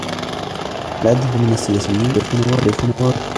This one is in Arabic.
العديد من السياسييّن يَخلفون وعودَهم.